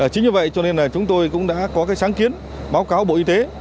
chính như vậy cho nên là chúng tôi cũng đã có cái sáng kiến báo cáo bộ y tế